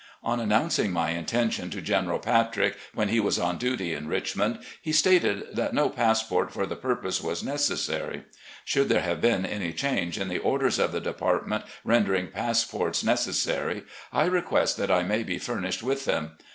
On announcing my intention to General Patrick, when he was on duty in Richmond, he stated that no passport for the purpose was necessary. Should there have been any change in the orders of the Department rendering passports necessary, I request that I may be furnished with them.